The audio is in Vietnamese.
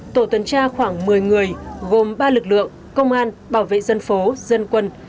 tổ tuần tra khoảng một mươi người gồm ba lực lượng công an bảo vệ dân phố dân quân